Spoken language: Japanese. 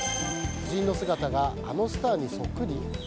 夫人の姿があのスターにそっくり！？